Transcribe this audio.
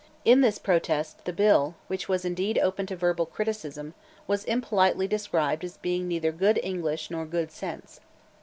In this protest the bill, which was indeed open to verbal criticism, was impolitely described as being neither good English nor good sense.